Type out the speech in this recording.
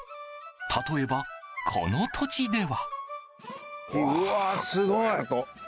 例えば、この土地では。